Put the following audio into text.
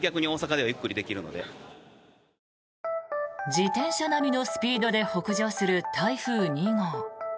自転車並みのスピードで北上する台風２号。